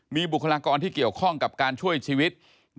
มีบุคลากรที่เกี่ยวข้องกับการช่วยชีวิต